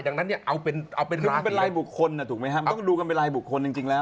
ดังนั้นเนี่ยเอาเป็นลายบุคคลนะต้องดูกันเป็นลายบุคคลจริงแล้ว